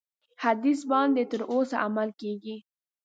حدیث باندي تر اوسه عمل کیږي.